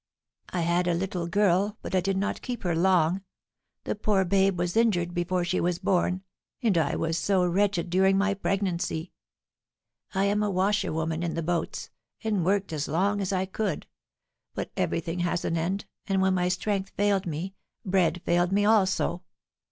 "I had a little girl, but I did not keep her long. The poor babe was injured before she was born, and I was so wretched during my pregnancy! I am a washerwoman in the boats, and worked as long as I could. But everything has an end, and when my strength failed me, bread failed me also.